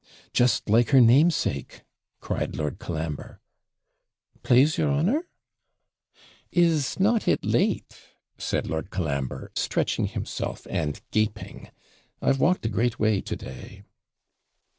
'Just like her namesake,' cried Lord Colambre. 'Plase your honour?' 'Is not it late?' said Lord Colambre, stretching himself and gaping; 'I've walked a great way to day.'